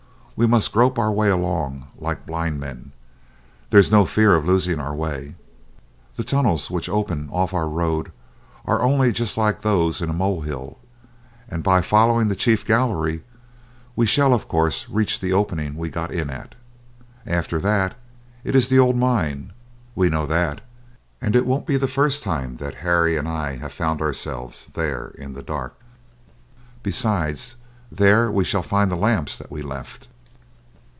We must grope our way along, like blind men. There's no fear of losing our way. The tunnels which open off our road are only just like those in a molehill, and by following the chief gallery we shall of course reach the opening we got in at. After that, it is the old mine. We know that, and it won't be the first time that Harry and I have found ourselves there in the dark. Besides, there we shall find the lamps that we left.